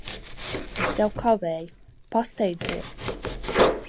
Es jau kavēju. Pasteidzies!